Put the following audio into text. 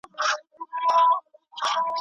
څوک دې پاتې دي؟ له چا نه دې ګیله ده؟